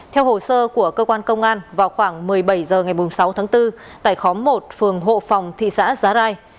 theo hồ sơ của cơ quan công an vào khoảng một mươi bảy h ngày sáu tháng bốn tại khóm một phường hộ phòng thị xã giá rai